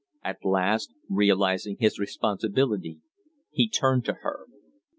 At last, realizing his responsibility, he turned to her slowly.